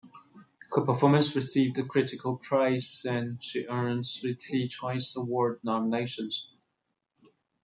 Her performance received critical praise and she earned three Teen Choice Award nominations.